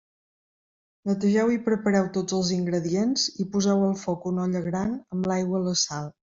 Netegeu i prepareu tots els ingredients i poseu al foc una olla gran amb l'aigua i la sal.